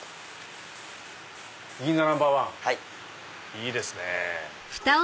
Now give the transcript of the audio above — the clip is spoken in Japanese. いいですねぇ。